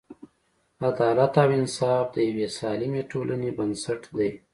عدالت او انصاف د یوې سالمې ټولنې بنسټ دی.